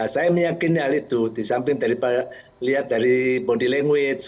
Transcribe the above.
saya meyakini hal itu di samping dari body language